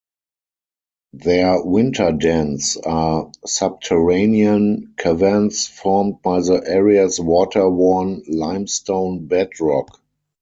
Their winter dens are subterranean caverns formed by the area's water-worn limestone bedrock.